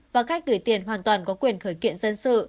và khách gửi tiền hoàn toàn có quyền khởi kiện dân sự